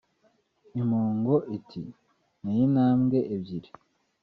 impongo iti «nteye intambwe ebyiri